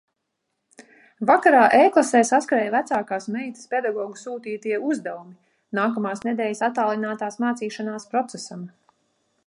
Vakarā e-klasē saskrēja vecākās meitas pedagogu sūtītie uzdevumi nākamās nedēļas attālinātās mācīšanās procesam.